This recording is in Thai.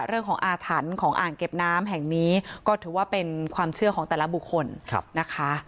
เรื่องของอาถรรพ์ของอ่างเก็บน้ำแห่งนี้ก็ถือว่าเป็นความเชื่อของแต่ละบุคคลนะคะ